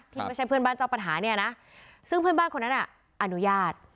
ไม่ใช่เพื่อนบ้านเจ้าปัญหาเนี่ยนะซึ่งเพื่อนบ้านคนนั้นน่ะอนุญาต